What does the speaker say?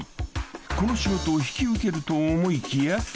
［この仕事を引き受けると思いきや］